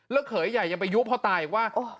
เขยใหญ่ยังไปยุพ่อตาอีกว่า